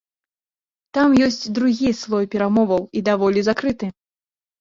Там ёсць другі слой перамоваў і даволі закрыты.